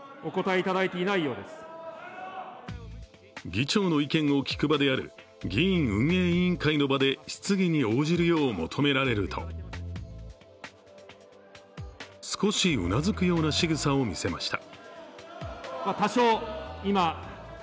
議長の意見を聞く場である議院運営委員会の場で質疑に応じるよう求められると少しうなずくようなしぐさを見せました。